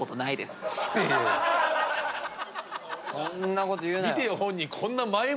そんなこと言うなよ。